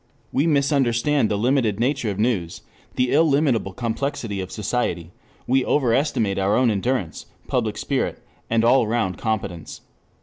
We misunderstand the limited nature of news, the illimitable complexity of society; we overestimate our own endurance, public spirit, and all round competence.